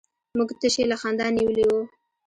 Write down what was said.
موږ تشي له خندا نيولي وو.